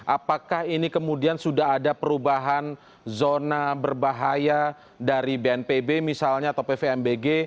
apakah ini kemudian sudah ada perubahan zona berbahaya dari bnpb misalnya atau pvmbg